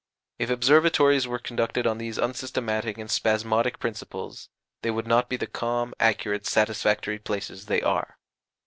If observatories were conducted on these unsystematic and spasmodic principles, they would not be the calm, accurate, satisfactory places they are.